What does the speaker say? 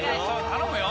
頼むよ